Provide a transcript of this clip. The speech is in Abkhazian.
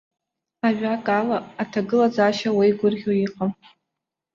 Ажәакала, аҭагылазаашьа уеигәырӷьо иҟам.